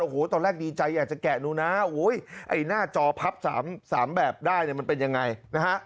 โอ้โหตอนแรกดีใจอยากจะแกะดูนะไอ้หน้าจอพับ๓แบบได้เนี่ยมันเป็นยังไงนะฮะ